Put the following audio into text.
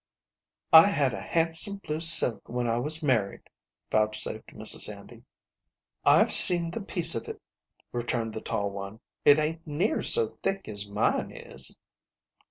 " I had a handsome blue silk when I was marri'd," vouchsafed Mrs. Handy. " I've seen the piece of it," returned the tall one ;" it ain't near so thick as mine is."